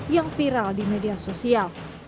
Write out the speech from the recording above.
yang viral di media sosial